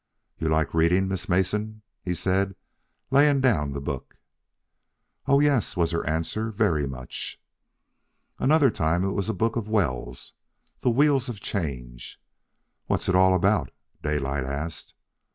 "You like reading, Miss Mason?" he said, laying the book down. "Oh, yes," was her answer; "very much." Another time it was a book of Wells', The Wheels of Change. "What's it all about?" Daylight asked.